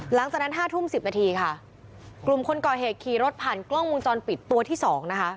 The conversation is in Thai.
หลังจากนั้นห้าทุ่มสิบนาทีค่ะกลุ่มคนก่อเหตุขี่รถผ่านกล้องวงจรปิดตัวที่สองนะคะ